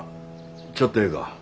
ちょっとええか？